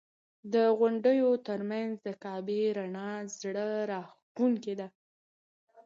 د غونډیو تر منځ د کعبې رڼا زړه راښکونکې ده.